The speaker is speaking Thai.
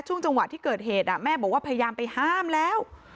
จังหวะที่เกิดเหตุแม่บอกว่าพยายามไปห้ามแล้ว